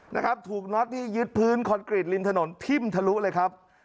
นะครับถูกน็อตนี่ยึดพื้นคอนกรีตริมถนนทิ่มทะลุเลยครับ